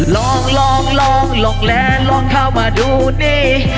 ลองลองลองลองแล้วลองเข้ามาดูนี่